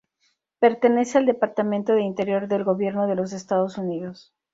Pertenece al Departamento de Interior del Gobierno de los Estados Unidos.